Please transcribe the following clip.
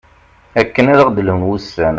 akken ad aɣ-d-lhun wussan